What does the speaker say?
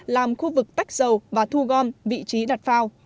làm khu vực tách dầu và thu gom vị trí đặt phao